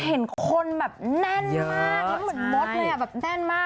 เห็นคนแบบแน่นมากแล้วเหมือนมดเลยอ่ะแบบแน่นมาก